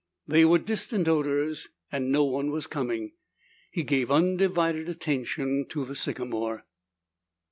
They were distant odors and no one was coming. He gave undivided attention to the sycamore.